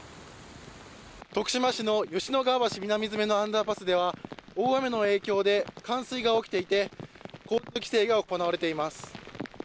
徳島市のよしのがわ町南詰のアンダーパスでは、大雨の影響で冠水が起きていて、交通規制が行われています。